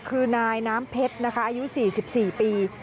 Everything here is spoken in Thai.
คือนายน้ำเพชรนะคะอายุ๔๔ปี